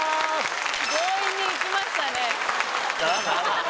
強引にいきましたね